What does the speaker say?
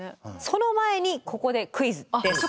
その前にここでクイズです。